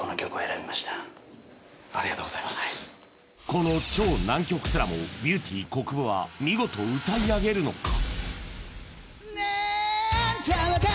この超難曲すらもビューティーこくぶは見事歌い上げるのか？